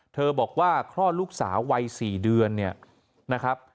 บอกว่าคลอดลูกสาววัย๔เดือนเนี่ยนะครับ